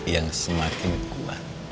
yang semakin kuat